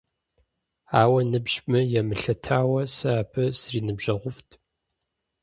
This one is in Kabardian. Ауэ, ныбжьми емылъытауэ, сэ абы сриныбжьэгъуфӀт.